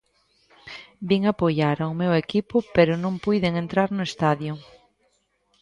Vin apoiar ao meu equipo pero non puiden entrar no estadio.